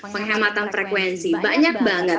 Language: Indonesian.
penghematan frekuensi banyak banget